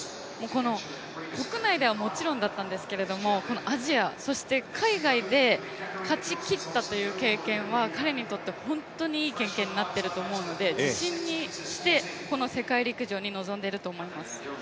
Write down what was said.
国内ではもちろんだったんですけど、アジア、そして海外で勝ちきったという経験は彼にとって本当にいい経験になってると思うので自信にしてこの世界陸上に臨んでると思います。